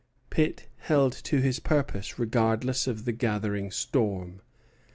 Pitt held to his purpose regardless of the gathering storm.